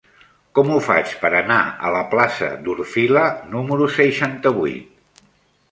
Com ho faig per anar a la plaça d'Orfila número seixanta-vuit?